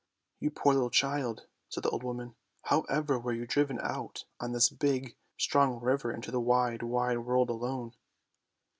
' You poor little child," said the old woman, " however were you driven out on this big, strong river into the wide, wide, world alone?